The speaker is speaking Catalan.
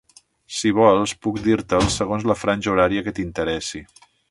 Si vols puc dir-te'ls segons la franja horària que t'interessi.